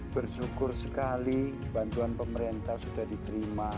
bersyukur sekali bantuan pemerintah sudah diterima